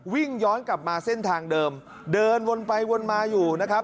วิ่งย้อนกลับมาเส้นทางเดิมเดินวนไปวนมาอยู่นะครับ